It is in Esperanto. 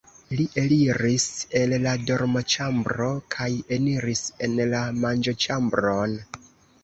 Li eliris el la dormoĉambro kaj eniris en la manĝoĉambron.